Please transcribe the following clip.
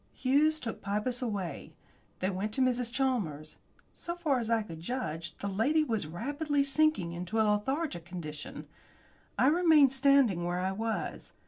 Hughes took Pybus away. They went to Mrs. Chalmers. So far as I could judge, the lady was rapidly sinking into a lethargic condition. I remained standing where I was.